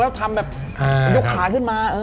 แล้วทำแบบยกขาขึ้นมา